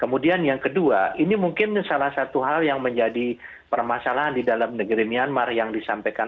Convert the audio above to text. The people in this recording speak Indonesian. kemudian yang kedua ini mungkin salah satu hal yang menjadi permasalahan di dalam negeri myanmar yang disampaikan